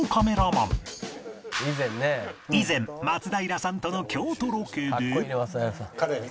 以前松平さんとの京都ロケで